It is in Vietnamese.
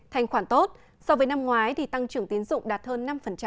thành khoản tốt so với năm ngoái tăng trưởng tiền dụng đạt hơn năm